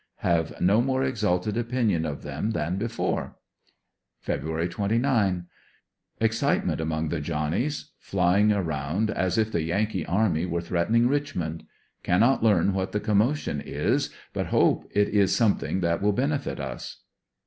Have no more exalted opinion of them than before. Feb. 29. — Excitement among the Johnnies — flying around as if the Yankee army were threatening Richmond. Cannot learn what the commotion is, but hope it is something that will benefit us.